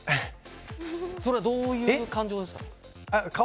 それはどういう感情ですか？